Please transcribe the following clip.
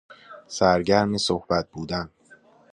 سرگرم صحبت بودن